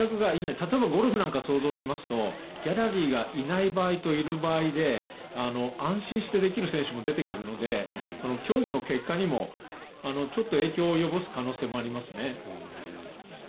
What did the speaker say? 例えば、ゴルフなんかを想像しますとギャラリーがいない場合といる場合で安心してできる選手も出てくるので競技の結果にも影響を及ぼす可能性がありますね。